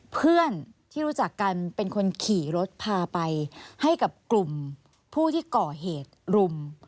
เพื่อนที่รู้จักกันเป็นคนขี่รถพาไปให้กับกลุ่มผู้ที่ก่อเหตุรุม